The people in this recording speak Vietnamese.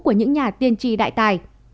của những nhà tiên tri đại tài